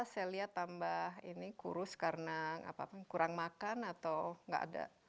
saya lihat tambah ini kurus karena kurang makan atau nggak ada